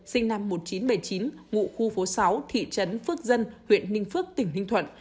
sinh năm một nghìn chín trăm bảy mươi chín ngụ khu phố sáu thị trấn phước dân huyện ninh phước tỉnh ninh thuận